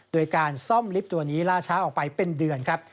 โดยการซ่อมลิฟต์ตัวนี้ล่าช้าออกไปเป็นเดือนครับ